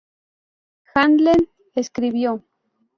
Handlen escribió.